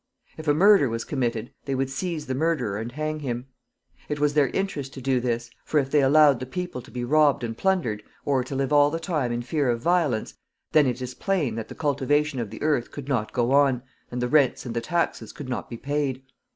If a murder was committed, they would seize the murderer and hang him. It was their interest to do this, for if they allowed the people to be robbed and plundered, or to live all the time in fear of violence, then it is plain that the cultivation of the earth could not go on, and the rents and the taxes could not be paid.